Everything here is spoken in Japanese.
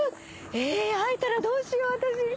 え会えたらどうしよう私。